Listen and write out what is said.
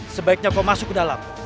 sebaiknya kau masuk ke dalam